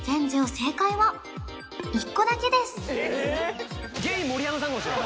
正解は１個だけですえっ！？